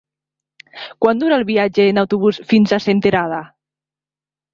Quant dura el viatge en autobús fins a Senterada?